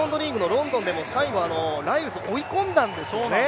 ロンドンでも最後、ライルズを追い込んだんですよね。